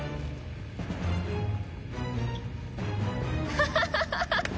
ハハハハハ！